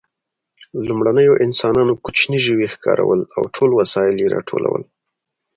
لومړنیو انسانانو کوچني ژوي ښکارول او ټول وسایل یې راټولول.